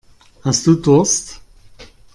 Hast du Durst?